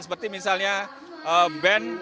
seperti misalnya berita berita tentang perjalanan ke bali